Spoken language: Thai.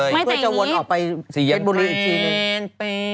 กลัวจะโวนออกไปเบชบุรีทีนึง